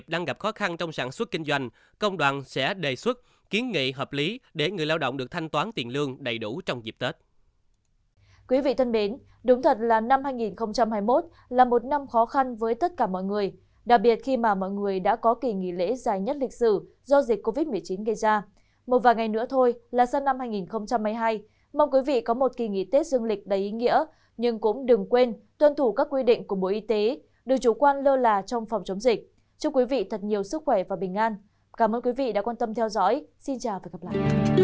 cảm ơn quý vị đã quan tâm theo dõi xin chào và hẹn gặp lại